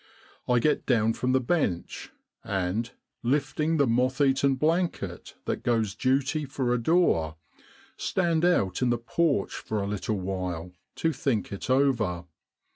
I get down from the bench and, lifting the moth eaten blanket that does duty for a door, stand out in the porch for a little while, to think it over.